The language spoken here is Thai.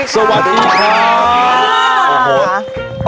สวัสดีค่ะ